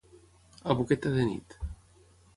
A boqueta de nit.